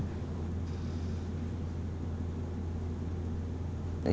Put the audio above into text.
để tự hào